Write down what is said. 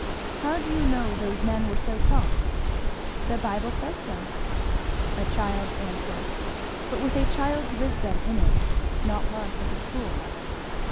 "How do you know those men were so taught?" "The Bible says so." A child's answer! but with a child's wisdom in it, not learnt of the schools.